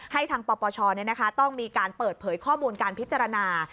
ให้ทางปปชต้องมีการเปิดเผยข้อมูลการพิจารณา